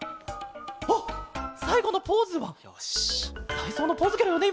たいそうのポーズケロよね？